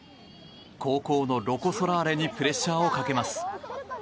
後攻のロコ・ソラーレにプレッシャーをかけます。